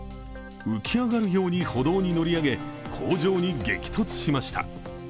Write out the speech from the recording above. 浮き上がるように歩道に乗り上げ工場に激突しました。